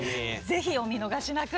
ぜひお見逃しなく。